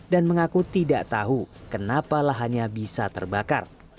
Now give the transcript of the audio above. dan mengaku tidak tahu kenapa lahannya bisa terbakar